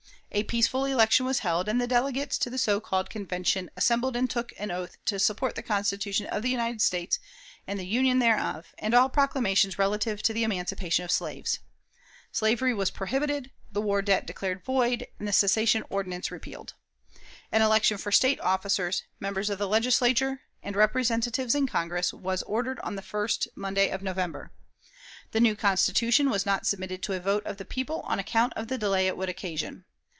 A peaceful election was held, and the delegates to the so called Convention assembled and took an oath to support the Constitution of the United States and the Union thereof, and all proclamations relative to the emancipation of slaves. Slavery was prohibited, the war debt declared void, and the secession ordinance repealed. An election for State officers, members of the Legislature, and Representatives in Congress, was ordered on the first Monday of November. The new Constitution was not submitted to a vote of the people on account of the delay it would occasion.